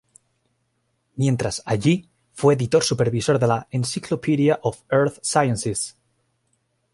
Mientras allí, fue editor supervisor de la "Encyclopedia of Earth Sciences".